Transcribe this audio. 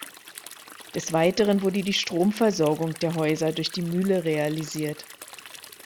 Des Weiteren wurde die Stromversorgung der Häuser durch die Mühle realisiert.